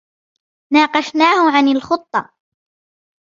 ناقشناه عن الخطة.